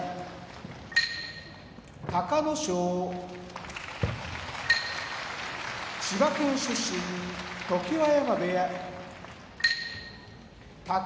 隆の勝千葉県出身常盤山部屋宝